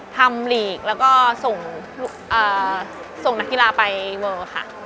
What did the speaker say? หลีกแล้วก็ส่งนักกีฬาไปเวิลค่ะ